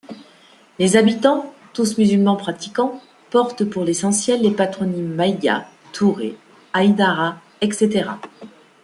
Les habitants, tous musulmans pratiquants, portent, pour l'essentiel, les patronymes Maïga, Touré, Haïdara, etc.